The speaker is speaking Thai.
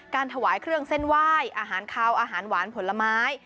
ถวายเครื่องเส้นไหว้อาหารคาวอาหารหวานผลไม้